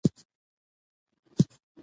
اداري مقررات د عدالت غوښتنه کوي.